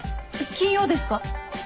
金曜ですか？